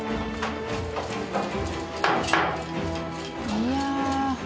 いや。